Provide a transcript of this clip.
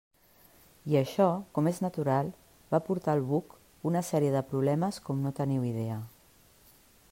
I això, com és natural, va portar al buc una sèrie de problemes com no teniu idea.